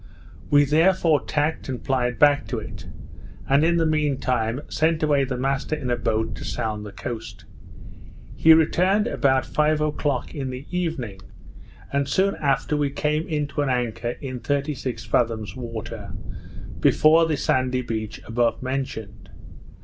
We therefore tacked, and plied back to it; and, in the mean time, sent away the master in a boat to sound the coast. He returned about five o'clock in the evening; and soon after we came to an anchor in thirty six fathoms water, before the sandy beach above mentioned.